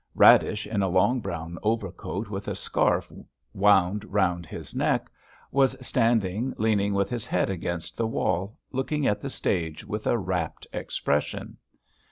Radish, in a long, brown overcoat with a scarf wound round his neck, was standing, leaning with his head against the wall, looking at the stage with a rapt expression.